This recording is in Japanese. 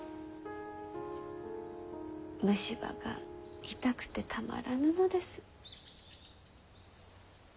虫歯が痛くてたまらぬのです。